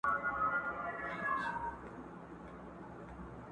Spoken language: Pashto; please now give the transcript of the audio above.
ځوانمیرګه شپه سبا سوه د آذان استازی راغی!